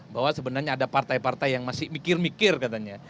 bahwa sebenarnya ada partai partai yang masih mikir mikir katanya